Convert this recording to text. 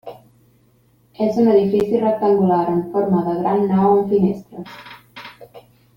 És un edifici rectangular en forma de gran nau amb finestres.